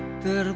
gue akan pergi